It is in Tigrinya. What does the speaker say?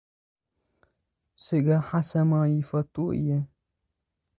ስጋ ሓሰማ ይፍቱ እየ!